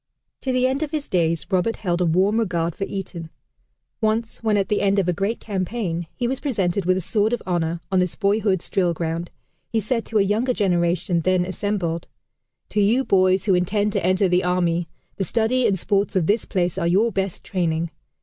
To the end of his days, Roberts held a warm regard for Eton. Once when at the end of a great campaign, he was presented with a sword of honor, on this boyhood's drill ground, he said to a younger generation then assembled: "To you boys who intend to enter the army, the studies and sports of this place are your best training.